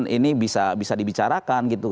ini bisa dibicarakan gitu